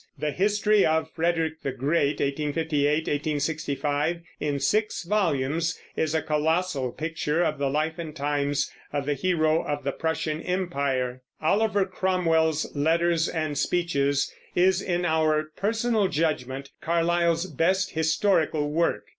The History of Frederick the Great (1858 1865), in six volumes, is a colossal picture of the life and times of the hero of the Prussian Empire. Oliver Cromwell's Letters and Speeches is, in our personal judgment, Carlyle's best historical work.